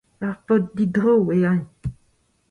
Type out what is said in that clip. Ur paotr didro eo eñ.